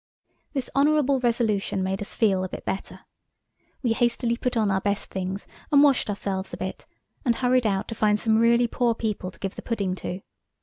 This honourable resolution made us feel a bit better. We hastily put on our best things, and washed ourselves a bit, and hurried out to find some really poor people to give the pudding to.